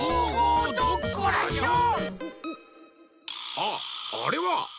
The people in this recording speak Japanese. あっあれは！